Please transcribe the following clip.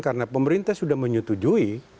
karena pemerintah sudah menyetujui